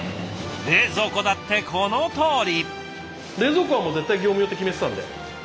冷蔵庫だってこのとおり。